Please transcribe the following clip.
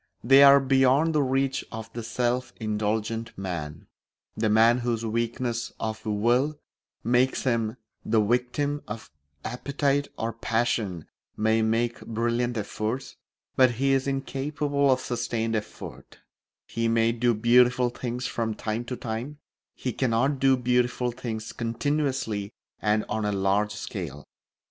They are beyond the reach of the self indulgent man. The man whose weakness of will makes him the victim of appetite or passion may make brilliant efforts, but he is incapable of sustained effort; he may do beautiful things from time to time, he cannot do beautiful things continuously and on a large scale.